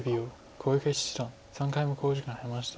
小池七段３回目の考慮時間に入りました。